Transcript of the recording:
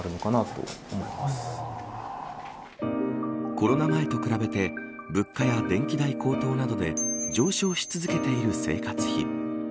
コロナ前と比べて物価や電気代高騰などで上昇し続けている生活費。